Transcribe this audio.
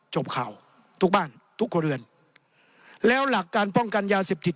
จบข่าวทุกบ้านทุกครัวเรือนแล้วหลักการป้องกันยาเสพติด